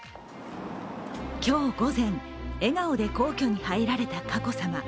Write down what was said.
今日午前、笑顔で皇居に入られた佳子さま。